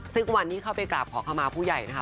ซึ่งวันนี้เข้าไปกราบขอเข้ามาผู้ใหญ่นะคะ